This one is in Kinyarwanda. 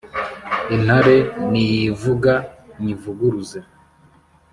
intare niyivuga nyivuguruze